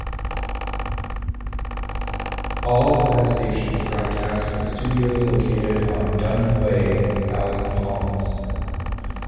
All five stations broadcast from studios located on Dunham Way in Thousand Palms.